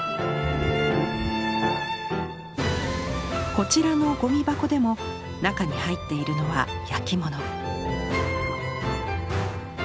こちらのゴミ箱でも中に入ってるいるのは焼き物。